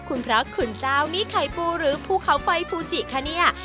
คุณพระคุณเจ้านี่ไข่ปูหรือภูเขาไฟฟูจิคะเนี่ย